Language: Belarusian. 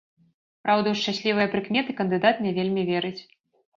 Праўда, у шчаслівыя прыкметы кандыдат не вельмі верыць.